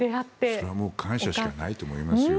それは感謝しかないと思いますよ。